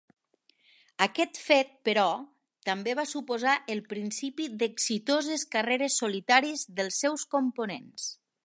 Aquest fet, però, també va suposar el principi d'exitoses carreres solitàries dels seus components.